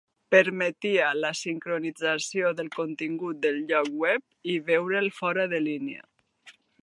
Permetia la sincronització del contingut del lloc web i veure'l fora de línia.